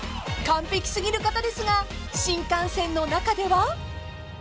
［完璧すぎる方ですが新幹線の中では？］